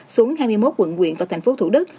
xuống hai mươi một quận quyện và thành phố thủ đức